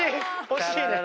惜しいね。